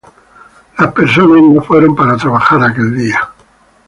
Las personas no fueron para trabajar aquel día.